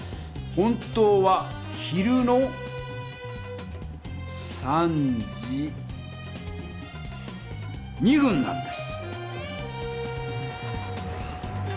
本当は昼の１５時２分なんです。